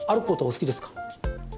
好きです。